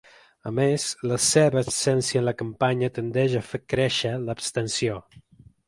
A més, la seva absència en la campanya tendeix a fer créixer l’abstenció.